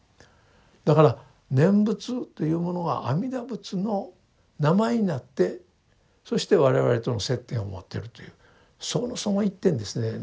だから念仏というものが阿弥陀仏の名前になってそして我々との接点を持ってるというその一点ですね。